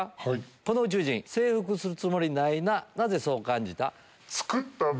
この宇宙人征服するつもりないななぜそう感じた？